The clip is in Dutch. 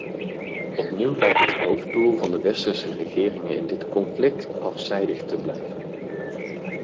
Opnieuw lijkt het hoofddoel van de westerse regeringen in dit conflict afzijdig te blijven.